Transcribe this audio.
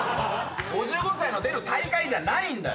５５歳の出る大会じゃないんだよ！